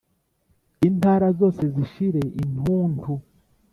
intara zose zishire intuntu